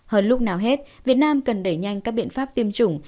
hơn lúc nào hết việt nam cần đẩy nhanh các biện pháp tiêm chủng